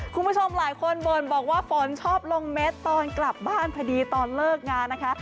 คุณผู้ชมหลายคนบ่นบอกว่าฝนชอบลงเม็ดตอนกลับบ้านพอดีตอนเลิกงานนะคะ